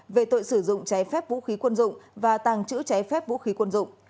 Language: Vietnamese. về tội sử dụng trái phép vũ khí quân dụng và tàng trữ trái phép vũ khí quân dụng